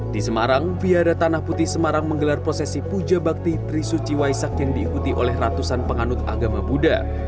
di semarang viara tanah putih semarang menggelar prosesi puja bakti trisuci waisak yang diikuti oleh ratusan penganut agama buddha